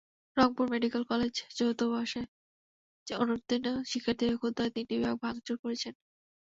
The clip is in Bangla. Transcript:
রংপুর মেডিকেল কলেজে চতুর্থ বর্ষের অনুত্তীর্ণ শিক্ষার্থীরা ক্ষুব্ধ হয়ে তিনটি বিভাগ ভাঙচুর করেছেন।